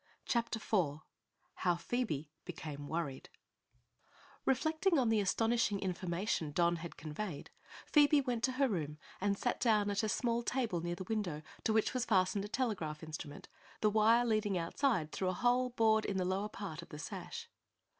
CHAPTER IV HOW PHOEBE BECAME WORRIED Reflecting on the astonishing information Don had conveyed, Phoebe went to her room and sat down at a small table near the window to which was fastened a telegraph instrument, the wire leading outside through a hole bored in the lower part of the sash.